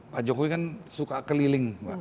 pak jokowi kan suka keliling